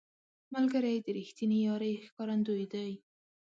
ملګری د رښتینې یارۍ ښکارندوی دی